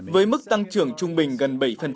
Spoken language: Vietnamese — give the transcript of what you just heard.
với mức tăng trưởng trung bình gần bảy